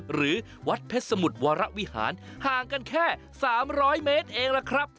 หรือวัดเพชรสมุทรวรวิหารห่างกันแค่๓๐๐เมตรเองล่ะครับ